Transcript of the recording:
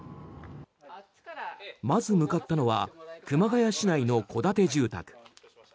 まず向かったのは熊谷市内の戸建て住宅。